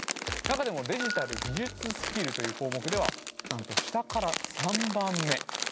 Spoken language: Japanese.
中でも「デジタル・技術スキル」という項目ではなんと下から３番目。